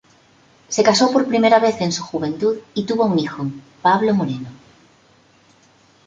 Se casó por primera vez en su juventud y tuvo un hijo, Pablo Moreno.